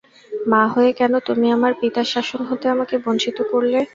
মা হয়ে কেন তুমি আমার পিতার শাসন হতে আমাকে বঞ্চিত করলে।